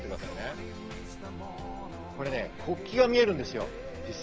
これね、国旗が見えるんですよ。